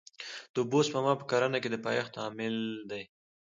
د اوبو سپما په کرنه کې د پایښت عامل دی.